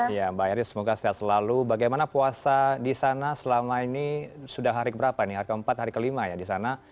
ya mbak iris semoga sehat selalu bagaimana puasa di sana selama ini sudah hari keberapa nih hari keempat hari kelima ya di sana